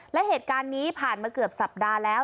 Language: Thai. และเหตุการณ์นี้ผ่านมาเกือบสัปดาห์แล้ว